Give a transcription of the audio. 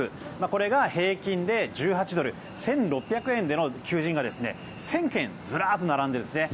これが平均で１８ドル１６００円での求人が１０００件ずらっと並んでるんですね。